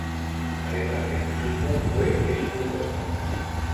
Además de músico fue escultor.